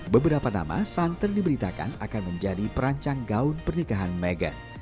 beberapa nama santer diberitakan akan menjadi perancang gaun pernikahan meghan